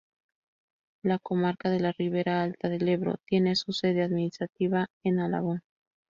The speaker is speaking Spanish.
La Comarca de la Ribera Alta del Ebro tiene su sede administrativa en Alagón.